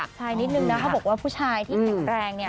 ใช่นิดหนึ่งนะครับบอกว่าผู้ชายที่แข็งแรง